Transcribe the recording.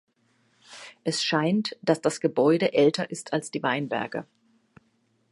Es scheint, dass das Gebäude älter ist als die Weinberge.